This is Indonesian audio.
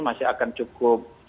masih akan cukup